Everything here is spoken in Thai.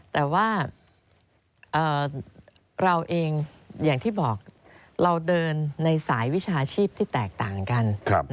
แต่ว่าเราเองอย่างที่บอกเราเดินในสายวิชาชีพที่แตกต่างกัน